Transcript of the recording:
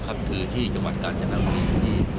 คือที่จังหวัดกาญจนบุรี